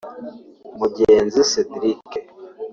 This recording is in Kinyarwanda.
Mugenzi Cedrick